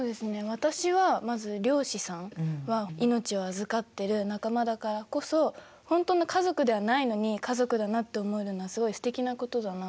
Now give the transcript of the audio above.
私はまず漁師さんは命を預かってる仲間だからこそほんとの家族ではないのに家族だなと思えるのはすごいすてきなことだなって。